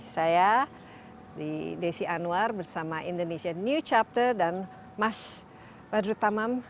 saya desi anwar bersama indonesia new chapter dan mas badrut tamam